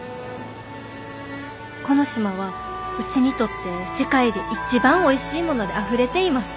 この島はうちにとって世界で一番おいしいものであふれています」。